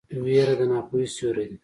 ویره د ناپوهۍ سیوری دی.